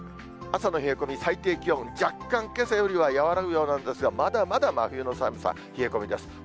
朝の冷え込み、最低気温、若干けさよりは和らぐようなんですが、まだまだ真冬の寒さ、冷え込みです。